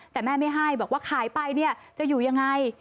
แต่แม่ไม่ให้บอกว่าขายไปเนี่ยจะอยู่ยังไง